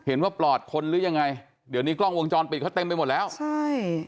ปลอดคนหรือยังไงเดี๋ยวนี้กล้องวงจรปิดเขาเต็มไปหมดแล้วใช่